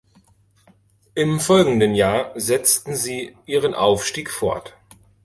Im folgenden Jahr setzten sie ihren Aufstieg fort.